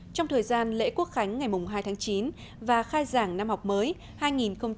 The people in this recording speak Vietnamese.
trong thời gian lễ quốc khánh ngày hai tháng chín và khai giảng năm học mới hai nghìn một mươi sáu hai nghìn một mươi bảy